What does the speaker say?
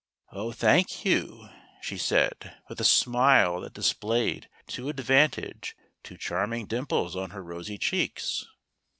" Oh, thank you," she said, with a smile that dis¬ played to advantage two charming dimples on her rosy cheeks.